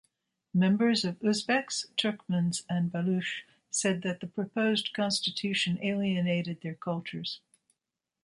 Members of Uzbeks, Turkmens and Baluch said that the Proposed Constitution alienated their cultures.